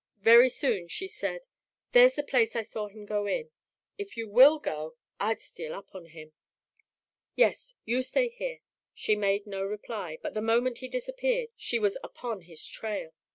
Very soon she said, "There's the place I saw 'im in. If you will go, I'd steal up on him." "Yes. You stay here." She made no reply, but the moment he disappeared she was upon his trail.